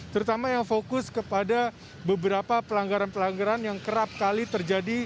terutama yang fokus kepada beberapa pelanggaran pelanggaran yang kerap kali terjadi